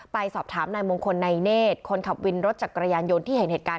ไปสอบถามนายมงคลในเนธคนขับวินรถจักรยานยนต์ที่เห็นเหตุการณ์